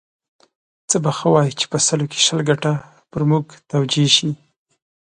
څه به ښه وای چې په سلو کې شل ګټه پر موږ توجیه شي.